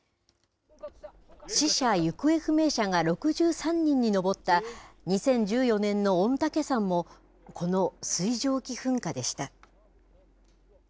死者・行方不明者が６３人に上った２０１４年の御嶽山も、この水蒸気噴火でした。